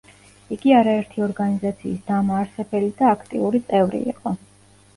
იგი არერთი ორგანიზაციის დამაარსებელი და აქტიური წევრი იყო.